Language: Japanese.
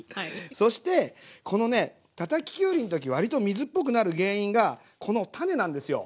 そしてこのねたたききゅうりの時割と水っぽくなる原因がこの種なんですよ。